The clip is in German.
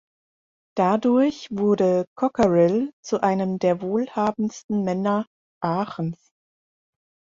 Dadurch wurde Cockerill zu einem der wohlhabendsten Männer Aachens.